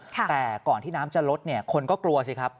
แต่ก่อนที่น้ำจะลดเนี่ยคนก็กลัวสิครับ